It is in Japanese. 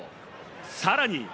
さらに。